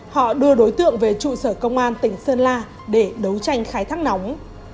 họ đưa đối tượng về trụ sở công an tỉnh sơn la để đấu tranh khai thác nóng